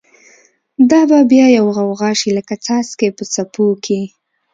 دا به بیا یوه غوغا شی، لکه څاڅکی په څپو کی